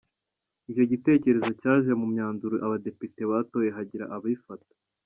Icyo gitekerezo cyaje mu myanzuro abadepite batoye, hagira abifata.